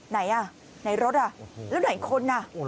ไหนอ่ะไหนรถอ่ะแล้วไหนคนอ่ะ